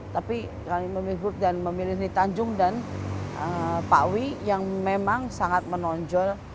tapi kami memilih dan memilih seni tanjung dan pak wi yang memang sangat menonjol